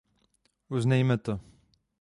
Uznejme to.